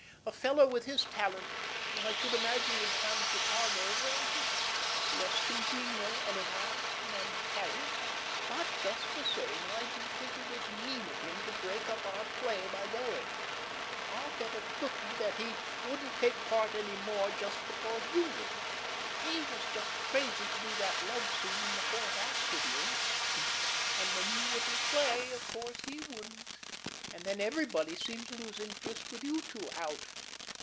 A fellow with his talent, I should imagine would find Chicago well, less congenial, anyhow, than Paris. But, just the same, I do think it was mean of him to break up our play by going. I'll bet a cookie that he wouldn't take part any more just because you wouldn't. He was just crazy to do that love scene in the fourth act with you. And when you wouldn't play, of course he wouldn't; and then everybody seemed to lose interest with you two out.